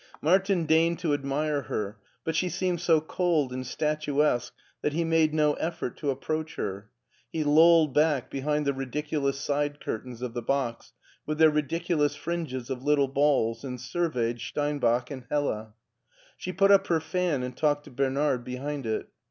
Martin deigned to admire her, but she seemed so cold and statuesque that he made no effort to approach her. He lolled back behind the ridiculous side curtains of the box, with their ridiculous fringes of little balls, and surveyed Steinbach and Hella. She put up her fan and talked to Bernard behind it.